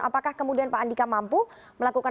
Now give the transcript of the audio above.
apakah kemudian pak andika mampu melakukan